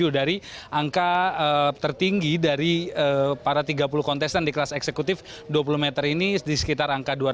dari angka tertinggi dari para tiga puluh kontestan di kelas eksekutif dua puluh meter ini di sekitar angka dua ratus